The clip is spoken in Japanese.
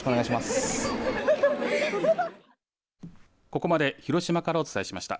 ここまで広島からお伝えしました。